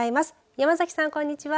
山崎さん、こんにちは。